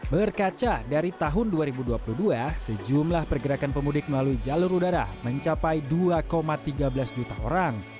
berkaca dari tahun dua ribu dua puluh dua sejumlah pergerakan pemudik melalui jalur udara mencapai dua tiga belas juta orang